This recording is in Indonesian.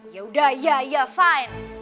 yaudah ya ya fine